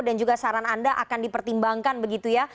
dan juga saran anda akan dipertimbangkan begitu ya